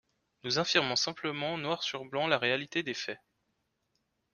Nous affirmons simplement noir sur blanc la réalité des faits.